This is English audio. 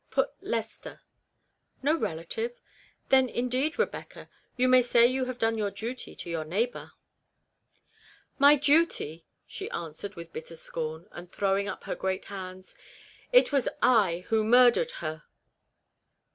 Put Lester." " No relative ? Then, indeed, Rebecca, you may say you have done your duty to your neighbour." 226 REBECCAS REMORSE. " My duty !" she answered with bitter scorn ; and throwing up her great hands. " It was I who murdered her."